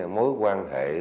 mối quan hệ